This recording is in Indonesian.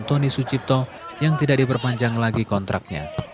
tony sucipto yang tidak diperpanjang lagi kontraknya